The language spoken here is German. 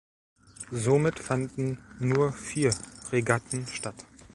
Somit fanden nur vier Regatten statt.